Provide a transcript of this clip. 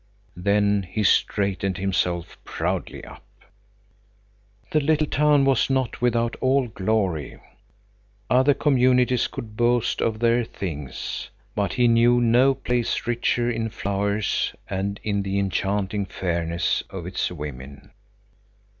Then he straightened himself proudly up. The little town was not without all glory. Other communities could boast of other things, but he knew no place richer in flowers and in the enchanting fairness of its women.